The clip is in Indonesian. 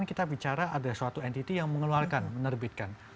kita bicara ada suatu entity yang mengeluarkan menerbitkan